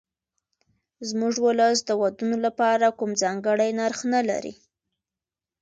زموږ ولس د ودونو لپاره کوم ځانګړی نرخ نه لري.